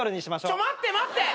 ちょ待って待って！